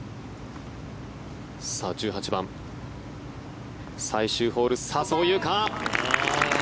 １８番、最終ホール笹生優花。